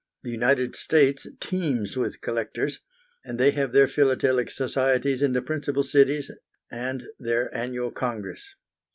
The United States teems with collectors, and they have their philatelic societies in the principal cities and their Annual Congress.